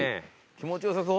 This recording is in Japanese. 気持ちよさそう。